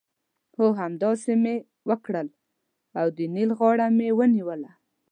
هو! همداسې مې وکړل او د نېل غاړه مې ونیوله.